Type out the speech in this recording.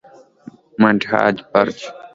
منهاټن برج د نیویارک سیټي مشهور پل دی.